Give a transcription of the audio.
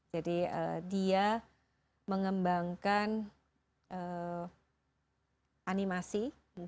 jadi dia mengembangkan animasi